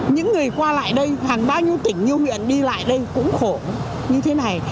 những người qua lại đây hàng bao nhiêu tỉnh như huyện đi lại đây cũng khổ như thế này